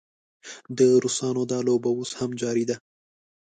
د روسانو دا لوبه اوس هم جاري ده.